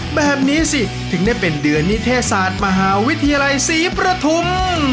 แบบนี้สิถึงได้เป็นเดือนนิเทศศาสตร์มหาวิทยาลัยศรีประทุม